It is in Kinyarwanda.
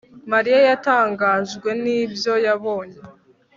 Mariya yatangajwe nibyo yabonye